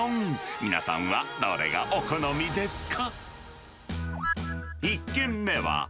皆さんはどれがお好みですか？